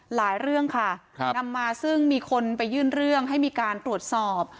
หลายเรื่องค่ะนำมาซึ่งมีคนไปยื่นเรื่องให้มีการตรวจสอบ